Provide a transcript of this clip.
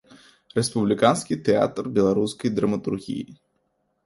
Рэспубліканскі тэатр беларускай драматургіі.